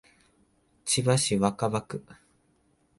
千葉市若葉区